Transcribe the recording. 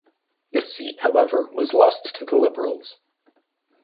This seat however was lost to the Liberals.